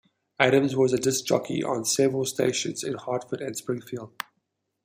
Adams was a disc jockey on several stations in Hartford and Springfield.